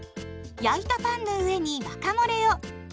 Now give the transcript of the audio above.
焼いたパンの上にワカモレを。